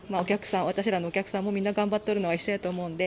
私らのお客さんも頑張っているのは、みんな一緒やと思うので。